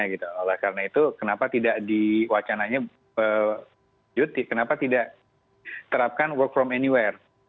karena itu kenapa tidak diwacananya kenapa tidak terapkan work from anywhere